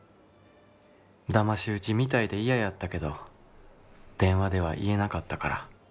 騙し討ちみたいで嫌やったけど電話では言えなかったから。